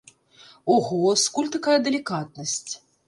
Ого, скуль такая далікатнасць?